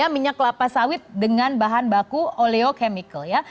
minyak kelapa sawit dengan bahan baku oleochemical ya